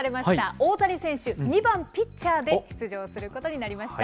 大谷選手、２番ピッチャーで出場することになりました。